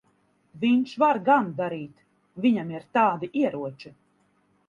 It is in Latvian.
Viņš var gan darīt. Viņam ir tādi ieroči.